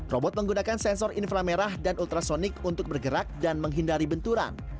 robot menggunakan sensor infra merah dan ultrasonic untuk bergerak dan menghindari benturan